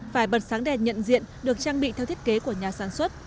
phải bật sáng đèn nhận diện được trang bị theo thiết kế của nhà sản xuất